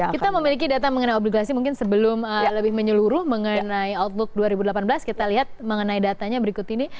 kita memiliki data mengenai obligasi mungkin sebelum lebih menyeluruh mengenai outlook dua ribu delapan belas kita lihat mengenai datanya berikut ini